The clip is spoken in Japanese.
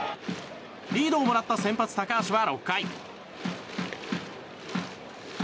リードをもらった先発、高橋は６回。